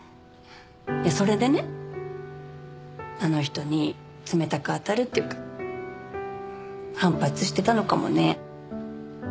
それでねあの人に冷たく当たるっていうか反発してたのかもね。